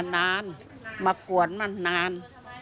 นานมากวนมันนาน